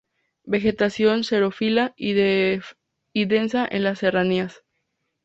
Vegetación xerófila, y densa en las serranías.